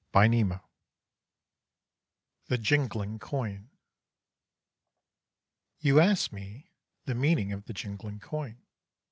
VII THE JINGLING COIN You ask me the meaning of the jingling coin.